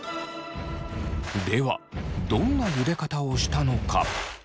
ではどんなゆで方をしたのか。